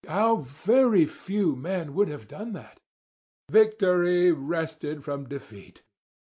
How very few men would have done that!" Victory wrested from defeat!